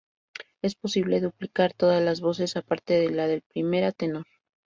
Es posible duplicar todas las voces aparte de la del primera tenor.